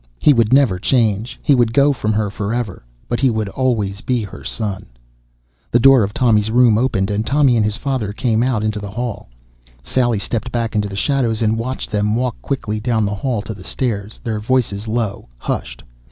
He would never change. He would go from her forever. But he would always be her son. The door of Tommy's room opened and Tommy and his father came out into the hall. Sally stepped back into shadows and watched them walk quickly down the hall to the stairs, their voices low, hushed.